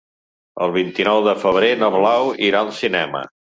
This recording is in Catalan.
El vint-i-nou de febrer na Blau irà al cinema.